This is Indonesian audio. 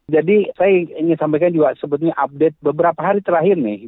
jadi saya ingin sampaikan juga sebetulnya update beberapa hari terakhir nih